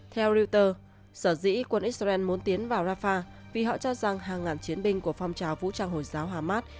theo reuters sở dĩ quân israel muốn tiến vào rafah vì họ cho rằng hàng ngàn chiến binh của phong trào vũ trang hồi giáo hamas